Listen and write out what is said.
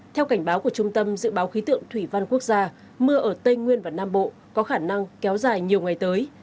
theo cảnh báo của trung tâm dự báo khí tượng thủy văn quốc gia mưa ở tây nguyên và nam bộ có khả năng kéo dài nhiều ngày tới